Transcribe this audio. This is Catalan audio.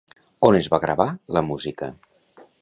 On es va gravar, la música?